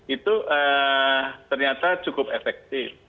itu ternyata cukup efektif